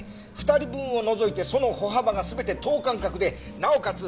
２人分を除いてその歩幅が全て等間隔でなおかつ